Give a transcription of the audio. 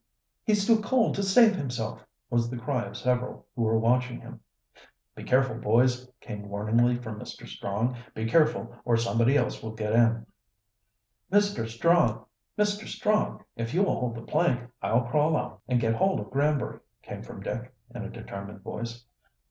He's too cold to save himself!" was the cry of several who were watching him. "Be careful, boys!" came warningly from Mr. Strong. "Be careful, or somebody else will get in!" "Mr. Strong, if you will hold the plank, I'll crawl out and get hold of Granbury," came from Dick, in a determined voice.